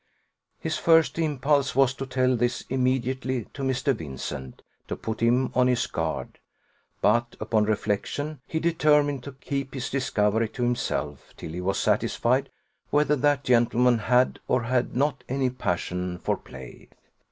His first impulse was to tell this immediately to Mr. Vincent, to put him on his guard; but, upon reflection, he determined to keep his discovery to himself, till he was satisfied whether that gentleman had or had not any passion for play.